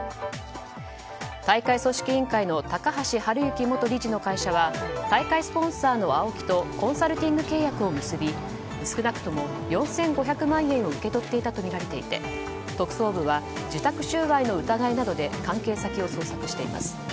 大会組織委員会の高橋治之元理事の会社は大会スポンサーのＡＯＫＩとコンサルティング契約を結び少なくとも４５００万円を受け取っていたとみられていて特捜部は受託収賄の疑いなどで関係先を捜索しています。